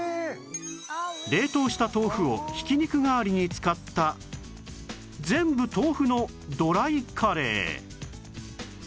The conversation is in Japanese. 冷凍した豆腐をひき肉代わりに使った全部豆腐のドライカレー